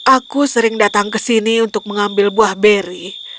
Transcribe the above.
aku sering datang ke sini untuk mengambil buah beri